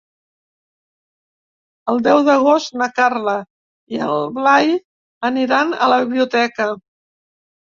El deu d'agost na Carla i en Blai aniran a la biblioteca.